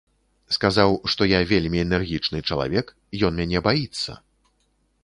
Сказаў, што я вельмі энергічны чалавек, ён мяне баіцца!